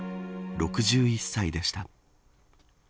６１歳でした。